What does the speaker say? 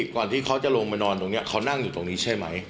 ก่อนที่เขาจะลงไปนอนตรงนี้เขานั่งอยู่ตรงนี้ใช่ไหม